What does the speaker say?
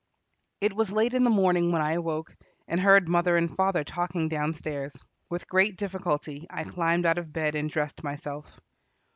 It was late in the morning when I awoke, and heard mother and father talking down stairs. With great difficulty, I climbed out of bed and dressed myself.